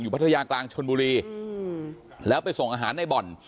พัทยากลางชนบุรีแล้วไปส่งอาหารในบ่อน